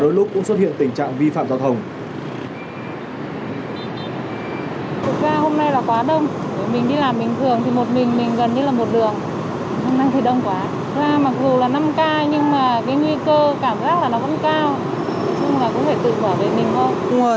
nói chung là cũng phải tự bảo về mình thôi